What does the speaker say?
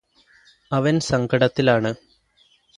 അവന് സങ്കടത്തിലാണ്